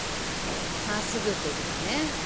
真っすぐって言ってたね。